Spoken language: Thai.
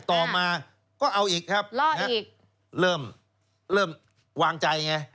ต่อมาก็เอาอีกครับเริ่มวางใจไง